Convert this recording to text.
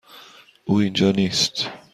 او اینجا نیست.